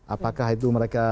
apakah itu mereka